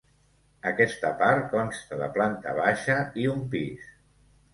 Aquesta part consta de planta baixa i un pis.